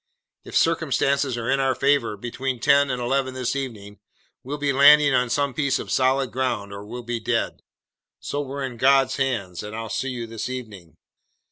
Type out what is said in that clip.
If circumstances are in our favor, between ten and eleven this evening we'll be landing on some piece of solid ground, or we'll be dead. So we're in God's hands, and I'll see you this evening!"